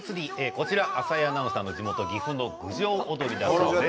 こちら浅井アナウンサーの地元岐阜の郡上踊りだそうです。